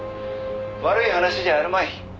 悪い話じゃあるまい？」